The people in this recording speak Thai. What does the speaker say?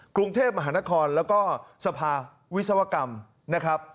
กรุงเทพมหานครแล้วก็สภาวิศวกรรมนะครับ